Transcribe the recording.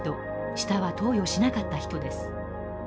下は投与しなかった人です。